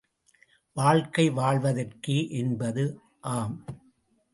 வாழ்க்கை வாழ்வதற்கே என்பது, ஆம்!